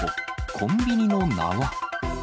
コンビニの名は。